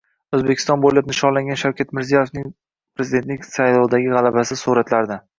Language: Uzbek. O‘zbekiston bo‘ylab nishonlangan Shavkat Mirziyoyevning prezidentlik saylovidagi g‘alabasi — suratlarda